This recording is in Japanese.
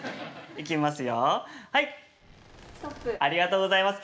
いきますよ。